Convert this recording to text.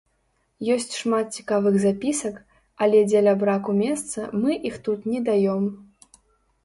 Ёсць шмат цікавых запісак, але дзеля браку месца мы іх тут не даём.